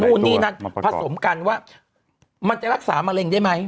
นู่นนี่นั่นผสมกันว่ามันจะรักษามะเร็งได้ไหม